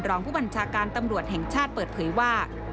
รองผู้บัญชาการตำรวจแห่งชาติเปิดเผยว่า